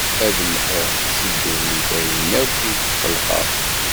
Ad mḥuɣ si ddunit ayen akk i d-xelqeɣ.